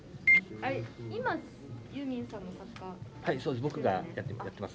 はいそうです。